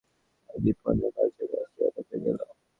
কয়েক বছর স্থিতিশীল থাকার পরে এই দুই পণ্যের বাজারে অস্থিরতা তৈরি হলো।